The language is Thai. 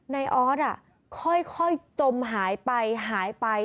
ออสค่อยจมหายไปหายไป